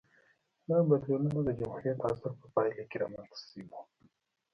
دا بدلونونه د جمهوریت عصر په پایله کې رامنځته شوې وې